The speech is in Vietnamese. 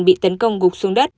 bị tấn công gục xuống đất